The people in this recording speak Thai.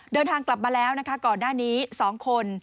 เดินทางกลับมาแล้วนะคะก่อนหน้านี้๒คน